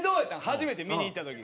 初めて見に行った時。